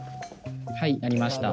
はいありました。